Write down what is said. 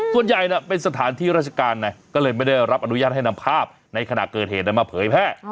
ส่วนใหญ่เป็นสถานที่ราชการไงก็เลยไม่ได้รับอนุญาตให้นำภาพในขณะเกิดเหตุมาเผยแพร่